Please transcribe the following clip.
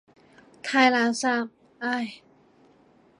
太垃圾，唉。